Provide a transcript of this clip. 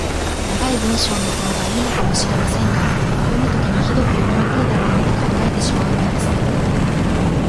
長い文章のほうが良いのかもしれませんが、読むときにひどく読みにくいだろうなと考えてしまうのです。